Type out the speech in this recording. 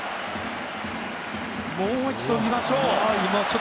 もう一度見ましょう。